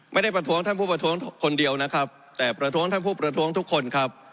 ประท้วงท่านผู้ประท้วงคนเดียวนะครับแต่ประท้วงท่านผู้ประท้วงทุกคนครับ